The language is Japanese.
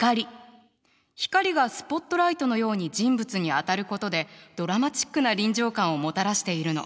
光がスポットライトのように人物に当たることでドラマチックな臨場感をもたらしているの。